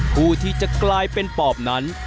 ผู้ที่จะกลายเป็นปอบนั้น